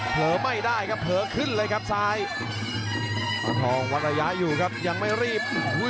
เผลอไม่ได้ครับเผลอขึ้นเลยครับซ้ายตัวทองวัดระยะอยู่ครับยังไม่รีบ